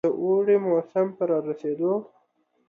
د اوړي موسم په رارسېدو.